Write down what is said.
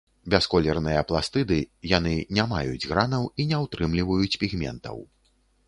Бясколерныя пластыды, яны не маюць гранаў і не ўтрымліваюць пігментаў.